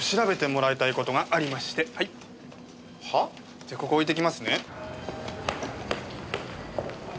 じゃあここ置いていきますね。